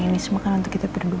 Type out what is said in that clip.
ini semua kan untuk kita berdua